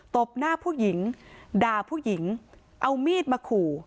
บหน้าผู้หญิงด่าผู้หญิงเอามีดมาขู่